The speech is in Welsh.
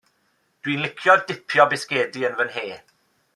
Dw i'n licio dipio bisgedi yn 'y nhe.